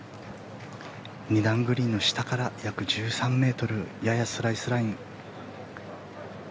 ２段グリーンの下から約１３ｍややスライスライン。